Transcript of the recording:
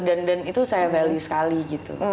dan itu saya value sekali gitu